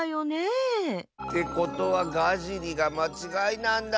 ってことはガジリがまちがいなんだ。